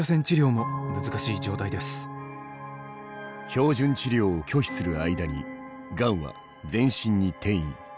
標準治療を拒否する間にがんは全身に転移。